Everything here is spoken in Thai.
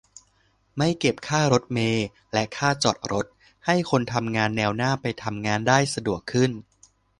- ไม่เก็บค่ารถเมล์และค่าจอดรถ ให้คนทำงานแนวหน้าไปทำงานได้สะดวกขึ้น